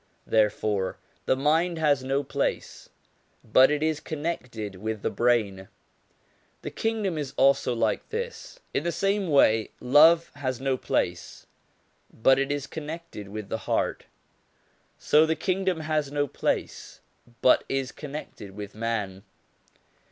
Therefore the mind has no place, but it is connected with the brain. The Kingdom is also like this. In the same way love has no place, but it is connected with the heart ; so the Kingdom has no place, but is connected with man.